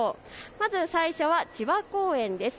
まず最初は千葉公園です。